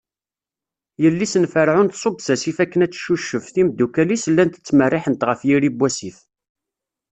Yelli-s n Ferɛun tṣubb s asif akken Ad tcucef, timeddukal-is llant ttmerriḥent ɣef yiri n wasif.